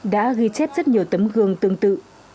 đã ghi chép rất nhiều tấm gương tương tự